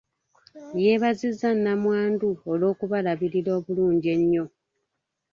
Yeebazizza nnamwandu olw'okulabirira obulungi ennyo.